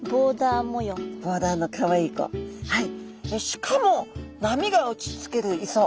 しかも波が打ちつける磯。